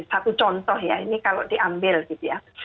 satu contoh ya ini kalau diambil gitu ya